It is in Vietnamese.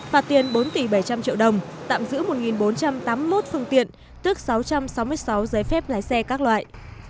phạt tiền bốn tỷ bảy trăm linh triệu đồng tạm giữ một bốn trăm tám mươi một phương tiện tức sáu trăm sáu mươi sáu giấy phép lái xe các loại